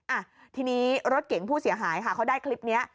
อ่ะทีนี้รถเก่งผู้เสียหายค่ะเขาได้คลิปนี้